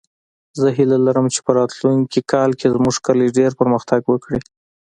زه هیله لرم چې په راتلونکې کال کې زموږ کلی ډېر پرمختګ وکړي